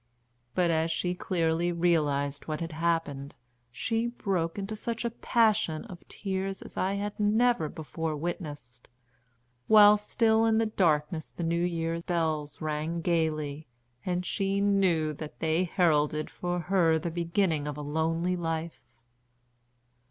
But, as she clearly realised what had happened, she broke into such a passion of tears as I had never before witnessed, while still in the darkness the new year bells rang gaily, and she knew that they heralded for her the beginning of a lonely life.